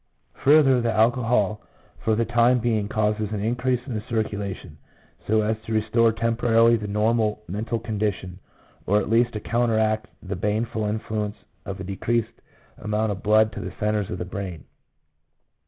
Further, the alcohol for the time being causes an increase in the circulation, so as to restore tem porarily the normal mental condition, or at least to counteract the baneful influence of a decreased amount of blood to the centres of the brain.